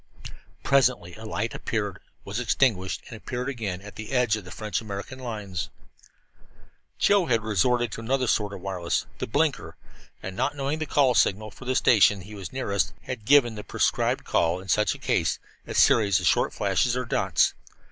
Presently a light appeared, was extinguished and appeared again, at the edge of the American French lines. Joe had resorted to another sort of wireless the "blinker" and, not knowing the call signal for the station he was nearest, had given the prescribed call in such a case, a series of short flashes, or dots.